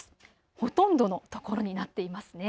ほとんどの所になっていますね。